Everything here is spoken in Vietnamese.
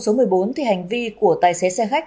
số một mươi bốn thì hành vi của tài xế xe khách